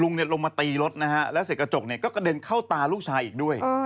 ลุงลงมาตีรถนะฮะแล้วเศรษฐกระจกกระเด็นเข้าตาลูกชายอีกด้วย